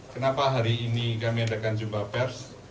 kenapa hari ini kami adakan jumpa pers